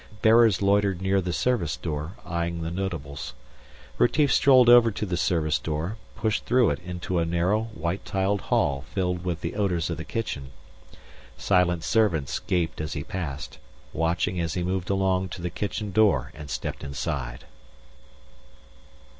Bearers loitered near the service door, eyeing the notables. Retief strolled over to the service door, pushed through it into a narrow white tiled hall filled with the odors of the kitchen. Silent servants gaped as he passed, watching as he moved along to the kitchen door and stepped inside.